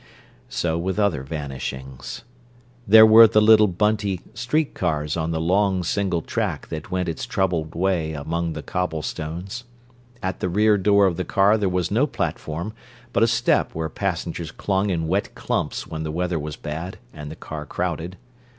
So with other vanishings. There were the little bunty street cars on the long, single track that went its troubled way among the cobblestones. At the rear door of the car there was no platform, but a step where passengers clung in wet clumps when the weather was bad and the car crowded.